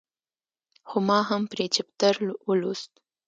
خو ما هم پرې چپټر ولوست.